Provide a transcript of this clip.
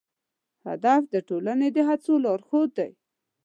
هدف د ټولنې د هڅو لارښود دی.